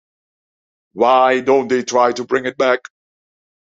Why don't they try to bring it back?